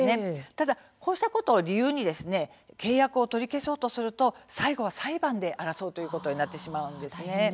ただ、こうしたことを理由に契約を取り消そうとすると最後は裁判で争うことになってしまいます。